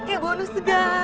pakai bonus segala